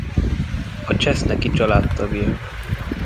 A Cseszneky család tagja.